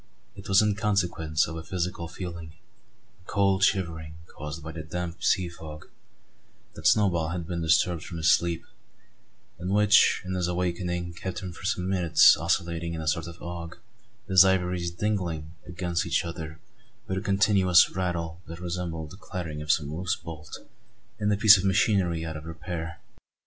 It was in consequence of a physical feeling a cold shivering caused by the damp sea fog that Snowball had been disturbed from his sleep; and which, on his awaking, kept him for some minutes oscillating in a sort of ague, his ivories "dingling" against each other with a continuous rattle that resembled the clattering of some loose bolt in a piece of machinery out of repair.